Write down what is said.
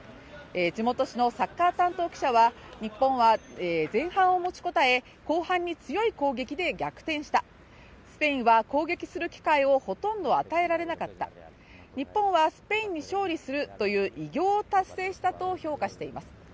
地元紙のサッカー担当記者は日本は前半を持ちこたえ、後半に強い攻撃で逆転した、スペインは攻撃する機会をほとんど与えられなかった、日本はスペインに勝利するという偉業を達成したと評価しています。